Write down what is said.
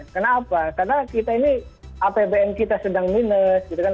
kenapa karena kita ini apbn kita sedang minus gitu kan